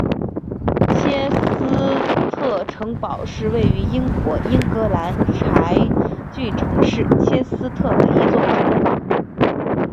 切斯特城堡是位于英国英格兰柴郡城市切斯特的一座城堡。